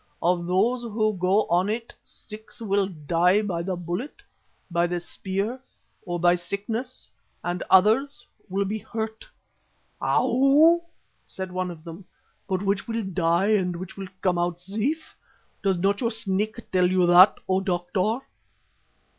Of those who go on it six will die by the bullet, by the spear or by sickness, and others will be hurt." "Ow?" said one of them, "but which will die and which will come out safe? Does not your Snake tell you that, O Doctor?"